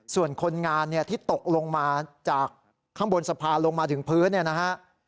ส่วนคนงานเนี่ยที่ตกลงมาจากข้างบนสะพานลงมาถึงพื้นเนี่ยนะฮะ